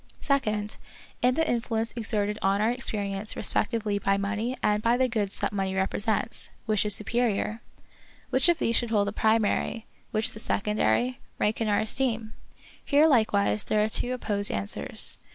Second, in the influence exerted on our experience respectively by money and by the goods that money represents, which is superior } Which of these should hold the primary, which the secondary, rank in our esteem ? Here likewise there are two opposed answers.